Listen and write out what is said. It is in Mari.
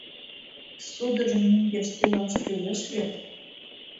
— Ссудыжым мӧҥгеш тӱлаш кӱлеш вет.